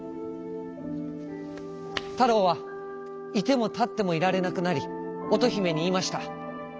たろうはいてもたってもいられなくなりおとひめにいいました。